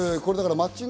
マッチング